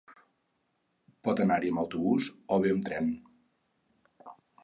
Pot anar-hi amb autobús o bé amb tren.